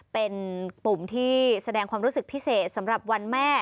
เป็นปุ่มที่แสดงความรู้สึกพิเศษสำหรับวันแม่